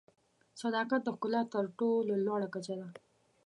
صداقت د ښکلا تر ټولو لوړه کچه ده.